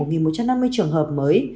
một một trăm năm mươi trường hợp mới